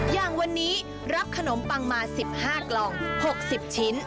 อย่างวันนี้รับขนมปังมา๑๕กล่อง๖๐ชิ้น